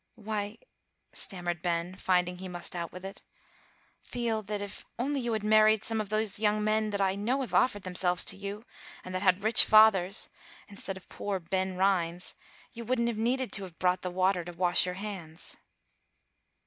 "Why," stammered Ben, finding he must out with it, "feel that if you had only married some of these young men that I know have offered themselves to you, and that had rich fathers, instead of poor Ben Rhines, you wouldn't have needed to have brought the water to wash your hands."